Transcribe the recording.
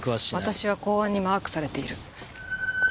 私は公安にマークされている。